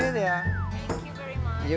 terima kasih banyak